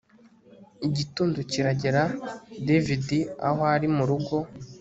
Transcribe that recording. igitondo kiragera david aho ari murugo